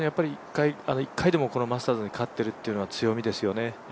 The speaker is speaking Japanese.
１回でもこのマスターズに勝っているというのは強みですよね。